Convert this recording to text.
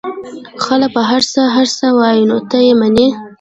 خلک به هرڅه هرڅه وايي نو ته يې منې؟